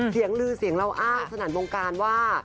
เสียงลือเสียงเราอ้างสนั่นวงการว่า